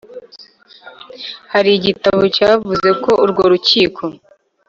Hari igitabo cyavuze ko urwo rukiko